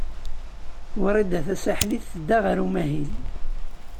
Wrida Tasaḥlit tedda ɣer umahil.